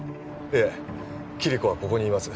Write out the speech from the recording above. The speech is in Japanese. いえキリコはここにいます